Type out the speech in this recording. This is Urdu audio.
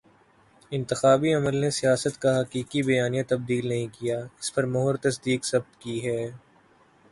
انتخابی عمل نے سیاست کا حقیقی بیانیہ تبدیل نہیں کیا، اس پر مہر تصدیق ثبت کی ہے۔